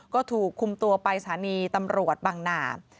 ก็ถูกคุมตัวไปสถานีตำรวจบังนา